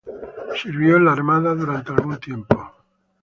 Sirvió en la armada durante algún tiempo.